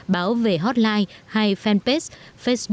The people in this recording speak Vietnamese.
báo về hotline hay fanpage